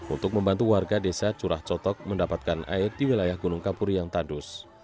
untuk membantu warga desa curacotok mendapatkan air di wilayah gunung kapur yang tandus